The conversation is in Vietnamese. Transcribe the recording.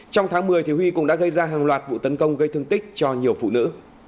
trong tháng một mươi huy cũng đã gây ra hàng loạt vụ tấn công gây thương tích cho nhiều phụ nữ